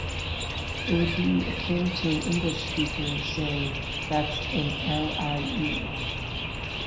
It would be akin to an English speaker saying That's an L-I-E.